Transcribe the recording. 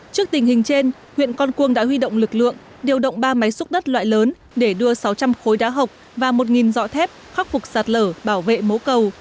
trước tình hình trên huyện con cuông đã huy động lực lượng điều động ba máy xúc đất loại lớn để đưa sáu trăm linh khối đá hộc và một dọ thép khắc phục sạt lở bảo vệ mố cầu